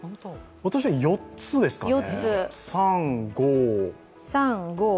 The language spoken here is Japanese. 私は４つですかね。